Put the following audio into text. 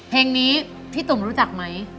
เพลงนี้พี่ตุ่มรู้จักไหม